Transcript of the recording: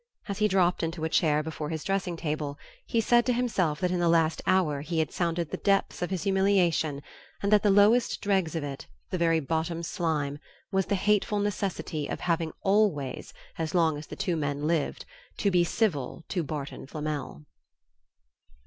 As he dropped into a chair before his dressing table he said to himself that in the last hour he had sounded the depths of his humiliation and that the lowest dregs of it, the very bottom slime, was the hateful necessity of having always, as long as the two men lived, to be civil to Barton Flamel.